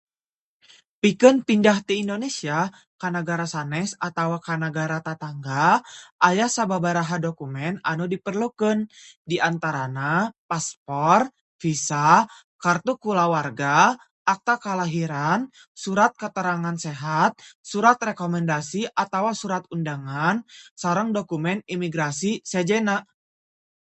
Pikeun pindah ti Indonesia ka nagara sanes atawa ka nagara tatangga, aya sababaraha dokumen anu diperlukeun, di antarana paspor, visa, kartu kulawarga, akta kalahiran, surat katerangan sehat, surat rekomendasi atawa surat undangan, sareng dokumen imigrasi sejenna.